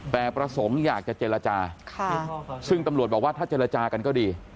แต่ประสงค์อยากจะเจรจาซึ่งตำรวจบอกว่าถ้าเจรจากันก็ดี